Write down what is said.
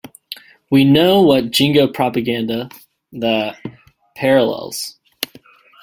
We know what jingo propaganda "that" parallels.